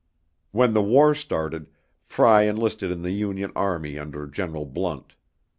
When the war started, Frey enlisted in the Union army under General Blunt.